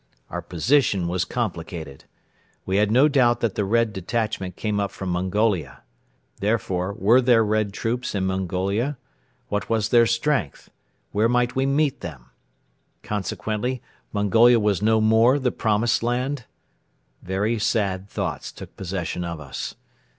Our position was complicated. We had no doubt that the Red detachment came up from Mongolia. Therefore, were there Red troops in Mongolia? What was their strength? Where might we meet them? Consequently, Mongolia was no more the Promised Land? Very sad thoughts took possession of us.